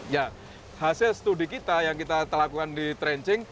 ya khasnya studi kita yang kita lakukan di trenching